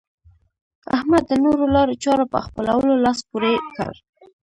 احمد د نورو لارو چارو په خپلولو لاس پورې کړ.